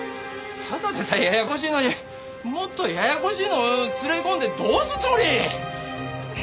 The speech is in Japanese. ただでさえややこしいのにもっとややこしいのを連れ込んでどうするつもり！？